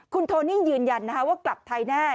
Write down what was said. คุณโทนิ่งยืนยันว่ากลับไทยแน่